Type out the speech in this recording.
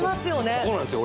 ここなんですよ